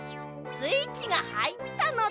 スイッチがはいったのだ。